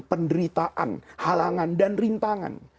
penderitaan halangan dan rintangan